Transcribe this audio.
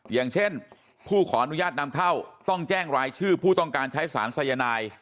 อย่างเช่นผู้ขออนุญาตนำเข้าต้องแจ้งรายชื่อผู้ต้องการใช้สารสายนาย